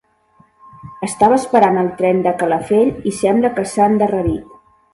Estava esperant el tren de Calafell i sembla que s'ha endarrerit.